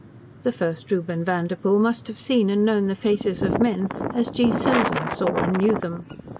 The first Reuben Vanderpoel must have seen and known the faces of men as G. Selden saw and knew them.